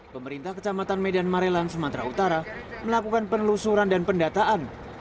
pemerintah kecamatan medan marelan sumatera utara melakukan penelusuran dan pendataan